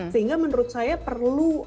sehingga menurut saya perlu